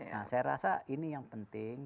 nah saya rasa ini yang penting